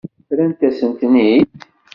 Rrant-asen-ten-id?